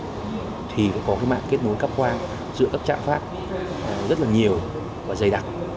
điểm thứ hai là có mạng kết nối cấp khoa giữa các trạm phát rất là nhiều và dày đặc